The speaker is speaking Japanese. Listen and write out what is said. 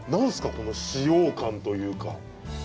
この使用感というか。